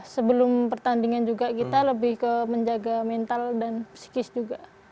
sebelum pertandingan juga kita lebih ke menjaga mental dan psikis juga